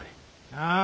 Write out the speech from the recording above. ああ！？